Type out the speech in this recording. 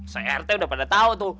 crt udah pada tahu tuh